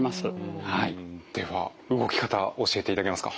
では動き方教えていただけますか？